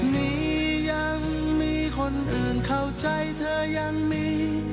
มียังมีคนอื่นเข้าใจเธอยังมี